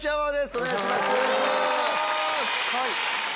お願いします！